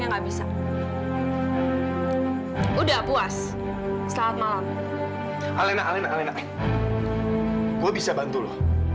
gue bisa bantu lo